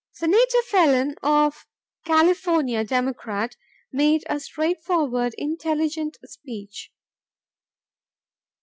Senator Phelan of California, Democrat, made a straightforward, intelligent speech.